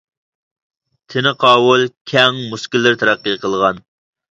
تىنى قاۋۇل، كەڭ، مۇسكۇللىرى تەرەققىي قىلغان.